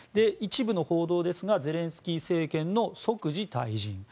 一部の報道ですがゼレンスキー政権の即時退陣。